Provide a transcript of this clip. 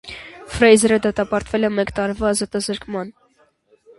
Ֆրեյզերը դատապարտվել է մեկ տարվա ազատազրկման։